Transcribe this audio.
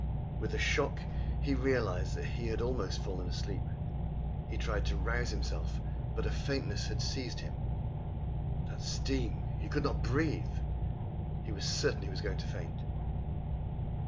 With a shock he realised that he had almost fallen asleep. He tried to rouse himself, but a faintness had seized him. That steam he could not breathe! He was certain he was going to faint.